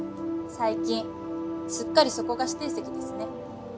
最近すっかりそこが指定席ですね。